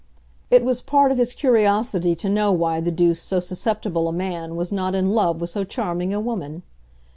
It was part of his curiosity to know why the deuce so susceptible a man was not in love with so charming a woman.